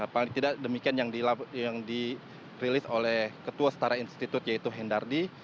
paling tidak demikian yang dirilis oleh ketua setara institut yaitu hendardi